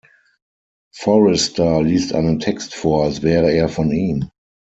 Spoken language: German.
Forrester liest einen Text vor, als wäre er von ihm.